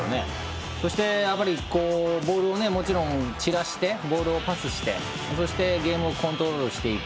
そして、ボールを散らしてボールをパスしてそしてゲームをコントロールしていく。